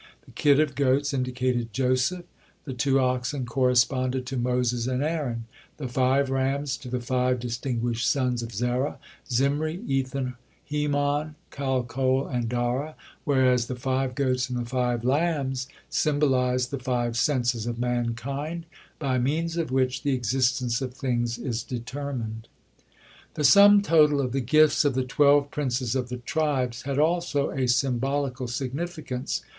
The kid of goats indicated Joseph; the two oxen corresponded to Moses and Aaron; the five rams to the five distinguished sons of Zerah: Zimri, Ethan, Heman, Calcol, and Dara; whereas the five goats and the five lambs symbolized the five senses of mankind by means of which the existence of things is determined. The sum total of the gifts of the twelve princes of the tribes had also a symbolical significance.